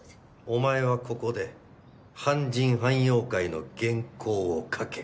お前はここで『半人半妖怪』の原稿を書け。